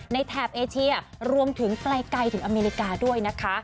แถบเอเชียรวมถึงไกลถึงอเมริกาด้วยนะคะ